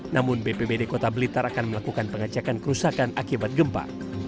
namun bpbd kota blitar akan melakukan pengecekan kerusakan akibat gempa